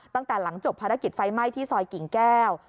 ตั้งแต่หลังจบภารกิจไฟไหม้ที่ซอยกิ่งแก้ว